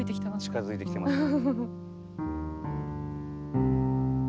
近づいてきてますね。